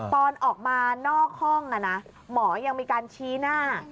ตอนออกมานอกห้องหมอยังมีการชี้หน้า